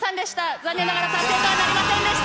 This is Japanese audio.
残念ながら達成とはなりませんでした。